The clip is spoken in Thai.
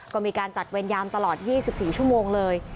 ก็มีการจัดเวรยามตลอด๒๔ชั่วโมงเลย